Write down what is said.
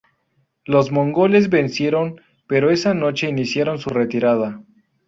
Los mongoles vencieron pero esa noche iniciaron su retirada.